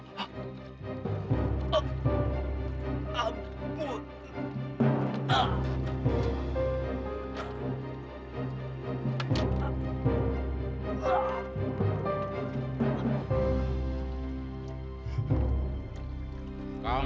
berzikirlah seperti apa yang pernah engkau lakukan